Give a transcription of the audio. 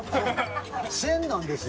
線なんですよ。